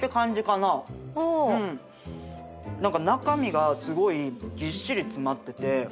何か中身がすごいぎっしり詰まってて。